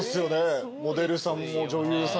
モデルさんも女優さんも。